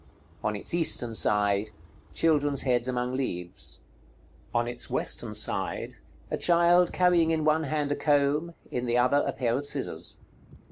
On its eastern side. Children's heads among leaves. On its western side. A child carrying in one hand a comb; in the other, a pair of scissors.